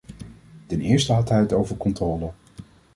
Ten eerste had hij het over controle.